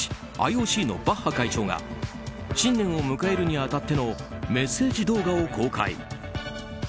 ＩＯＣのバッハ会長が新年を迎えるに当たってのメッセージ動画を公開。